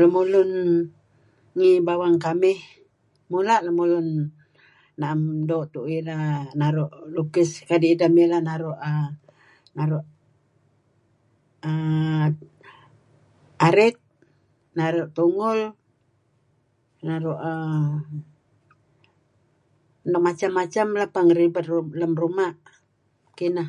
Lemulun lem bawang kamih, mula' ideh na'em tu'uh ileh lukis kadi' ideh mileh naru' err arit, naru' tungul, naru' nuk macam-macam lah peh ngeribed lem ruma' . Kineh.